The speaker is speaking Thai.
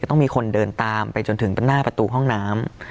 ต้องมีคนเดินตามไปจนถึงหน้าประตูห้องน้ำ